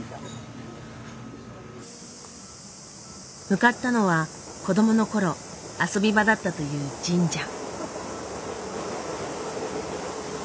向かったのは子どもの頃遊び場だったという神社。